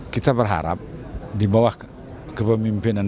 kita berharap di bawah kepemimpinan